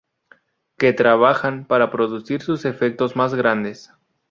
Que trabajan para producir sus efectos más grandes.